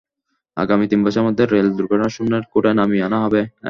আগামী তিন বছরের মধ্যে রেল দুর্ঘটনা শূন্যের কোঠায় নামিয়ে আনা হবে।